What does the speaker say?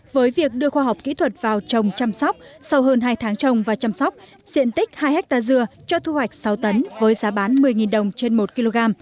với việc đưa khoa học kỹ thuật vào trồng chăm sóc sau hơn hai tháng trồng và chăm sóc diện tích hai hectare dưa cho thu hoạch sáu tấn với giá bán một mươi đồng trên một kg